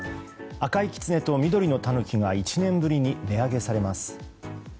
赤いきつねと緑のたぬきが１年ぶりに値上げされます。